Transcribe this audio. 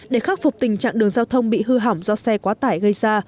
để khắc phục tình trạng đường giao thông bị hư hỏng do xe quá tải gây ra